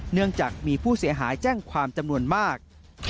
เนื่องจากมีผู้เสียหายแจ้งความจำนวนมาก